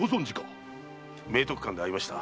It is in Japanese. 明徳館で会いました。